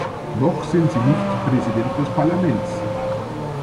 Noch sind Sie nicht Präsident des Parlaments!